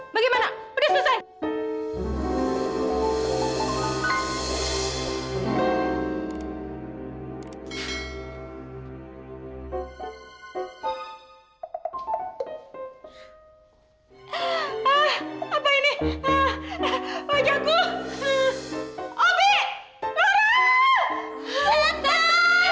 bagaimana udah selesai